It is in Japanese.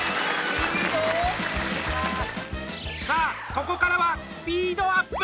さあここからはスピードアップ！